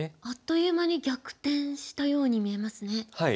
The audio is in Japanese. あっという間に逆転したように見えますね。